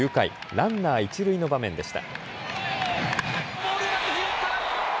ランナー一塁の場面でした。